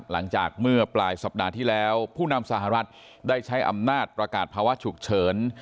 หลังจากเมื่อปลายสัปดาห์ที่แล้วผู้นำสหรัฐได้ใช้อำนาจประกาศภาวะฉุกเฉิน